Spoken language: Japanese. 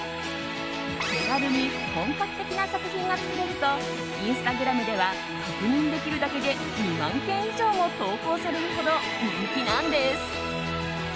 手軽に本格的な作品が作れるとインスタグラムでは確認できるだけで２万件以上も投稿されるほど人気なんです。